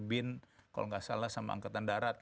bin kalau nggak salah sama angkatan darat